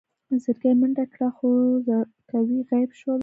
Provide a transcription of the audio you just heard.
زرکې منډه کړه خو زرکوړي غيب شول.